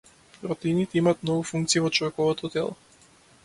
Протеините имаат многу функции во човечкото тело.